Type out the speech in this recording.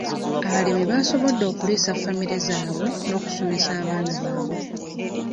Abalimi basobodde okuliisa famire zaabwe n'okusomesa abaana baabwe.